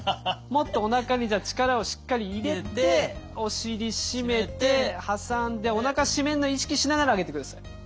もっとおなかにじゃあ力をしっかり入れてお尻締めて挟んでおなか締めんの意識しながら上げてください。